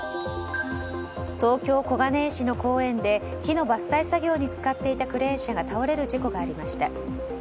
東京・小金井市の公園で木の伐採作業に使っていたクレーン車が倒れる事故がありました。